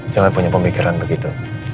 jangan punya pemikiran begitu